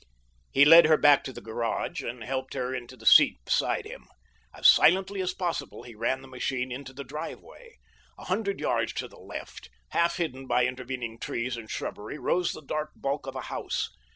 He led her back to the garage and helped her into the seat beside him. As silently as possible he ran the machine into the driveway. A hundred yards to the left, half hidden by intervening trees and shrubbery, rose the dark bulk of a house.